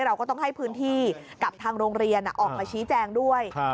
เราก็ต้องให้พื้นที่กับทางโรงเรียนออกมาชี้แจงด้วย